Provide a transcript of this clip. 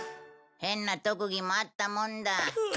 変な特技もあったもんだ。